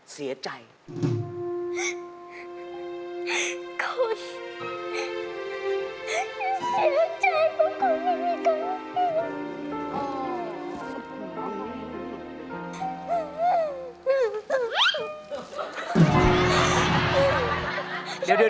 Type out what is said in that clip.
เสียใจว่าคุณไม่มีคนอื่น